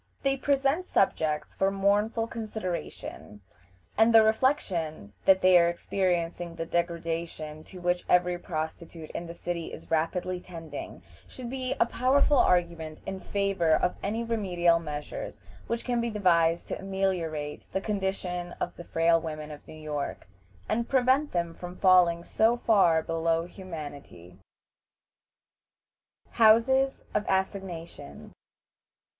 They present subjects for mournful consideration, and the reflection that they are experiencing the degradation to which every prostitute in the city is rapidly tending, should be a powerful argument in favor of any remedial measures which can be devised to ameliorate the condition of the frail women of New York, and prevent them from falling so far below humanity. HOUSES OF ASSIGNATION.